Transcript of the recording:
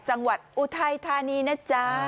จังหวัดอุทัยธานีนะจ๊ะ